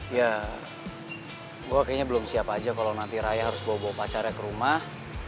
ya gue kayaknya belum siap aja kalau nanti raya harus bawa bawa pacarnya ke rumah